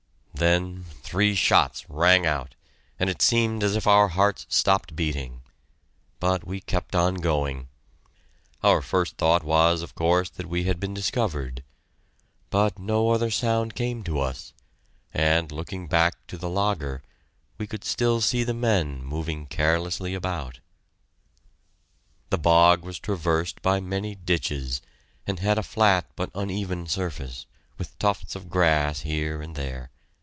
Then three shots rang out, and it seemed as if our hearts stopped beating but we kept on going! Our first thought was, of course, that we had been discovered. But no other sound came to us, and, looking back to the Lager, we could still see the men moving carelessly about. The bog was traversed by many ditches, and had a flat but uneven surface, with tufts of grass here and there.